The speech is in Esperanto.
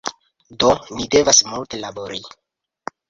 Do ni devas multe labori